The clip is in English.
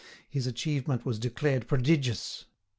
His achievement was declared prodigious.